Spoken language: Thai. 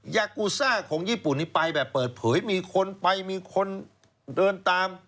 ยากูซ่าของญี่ปุ่นนี้ไปแบบเปิดเผยมีคนไปมีคนเดินตาม